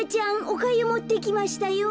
おかゆもってきましたよ」。